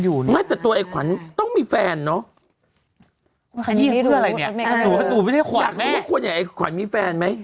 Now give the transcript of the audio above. อยากเรียกคนใหญ่ไอ้ขวัญมีแฟนไหม